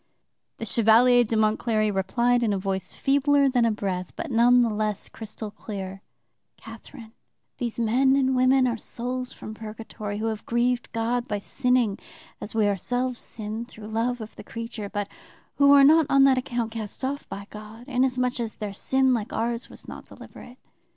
"The Chevalier d'Aumont Cléry replied in a voice feebler than a breath, but none the less crystal clear: "'Catherine, these men and women are souls from purgatory who have grieved God by sinning as we ourselves sinned through love of the creature, but who are not on that account cast off by God, inasmuch as their sin, like ours, was not deliberate.